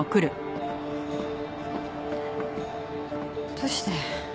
どうして？